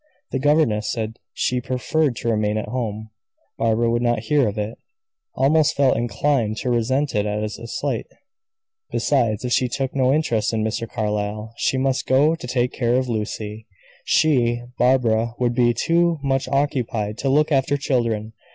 The governess said she preferred to remain at home. Barbara would not hear of it; almost felt inclined to resent it as a slight; besides, if she took no interest in Mr. Carlyle, she must go to take care of Lucy; she, Barbara, would be too much occupied to look after children.